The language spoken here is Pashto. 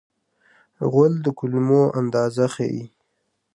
غول د کولمو اندازه ښيي.